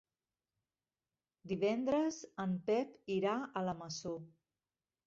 Divendres en Pep irà a la Masó.